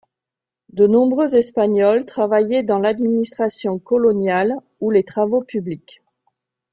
De nombreux Espagnols travaillaient dans l'administration coloniale ou les travaux publics.